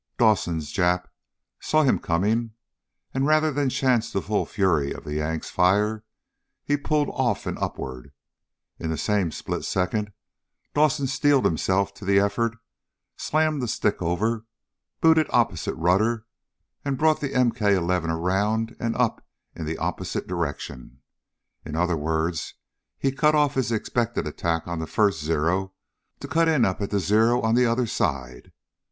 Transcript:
Dawson's Jap saw him coming and, rather than chance the full fury of the Yank's fire, he pulled off and upward. In that same split second Dawson steeled himself to the effort, slammed the stick over, booted opposite rudder and brought the MK 11 around and up in the opposite direction. In other words he cut off his expected attack on the first Zero to cut in up at the Zero on the other side.